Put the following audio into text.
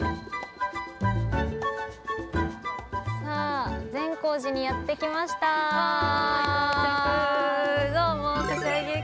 ◆さあ、善光寺にやってきましたー。